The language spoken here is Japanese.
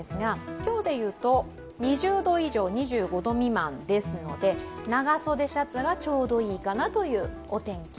今日でいうと、２０度以上、２５度未満ですので長袖シャツがちょうどいいかなというお天気。